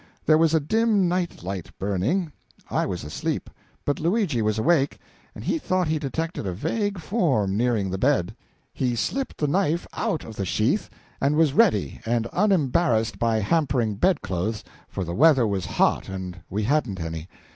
There was a dim night light burning. I was asleep, but Luigi was awake, and he thought he detected a vague form nearing the bed. He slipped the knife out of the sheath and was ready, and unembarrassed by hampering bed clothes, for the weather was hot and we hadn't any.